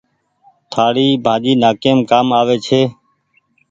ٿآڙي ڀآڃي نآڪيم ڪآم آوي ڇي۔